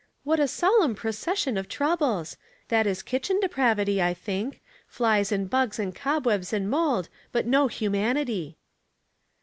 " What a Bolemn procession of troubles ! that is kitchen depravity, I think, flies and bugs and cobwebs and mold, but no humanity."